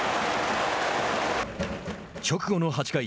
直後の８回。